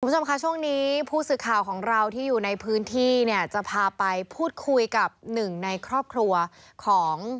คุณผู้ชมค่ะช่วงนี้ผู้สื่อข่าวของเราที่อยู่ในพื้นที่เนี่ยจะพาไปพูดคุยกับหนึ่งในครอบครัวของ